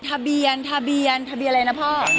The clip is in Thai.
ทะเบียนทะเบียนอะไรนะพ่อ